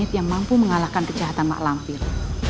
seorang yang mampu mengalahkan kejahatan mbak lampir